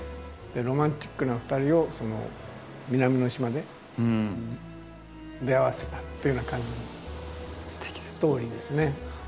ロマンチックな２人を南の島で出会わせたっていうような感じのストーリーですね。